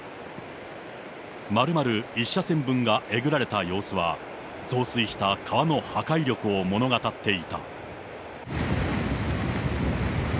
まるまる１車線分がえぐられた様子は、増水した川の破壊力を物語っていた。